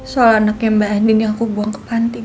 soal anaknya mba andin yang aku buang ke panti mah